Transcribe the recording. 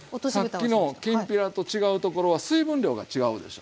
さっきのきんぴらと違うところは水分量が違うでしょ？